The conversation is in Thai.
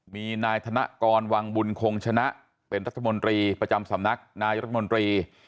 มีนายธนกรวังบุญคงชนะเป็นรัฐมนตรีประจำสำนักนายรัฐมนตรี